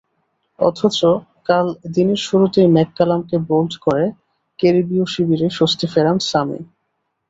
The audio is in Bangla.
অথচ কাল দিনের শুরুতেই ম্যাককালামকে বোল্ড করে ক্যারিবীয় শিবিরে স্বস্তি ফেরান স্যামি।